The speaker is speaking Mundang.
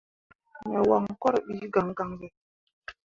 Me wancor ɓi gangan ɓe.